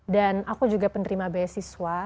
dan aku juga penerima beasiswa